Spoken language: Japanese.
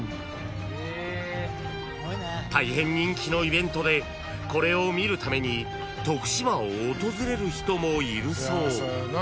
［大変人気のイベントでこれを見るために徳島を訪れる人もいるそう］